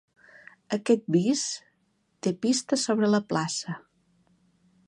Aquest pis té vista sobre la plaça.